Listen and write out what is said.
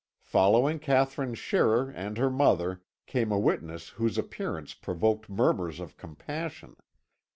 Following Katherine Scherrer and her mother came a witness whose appearance provoked murmurs of compassion.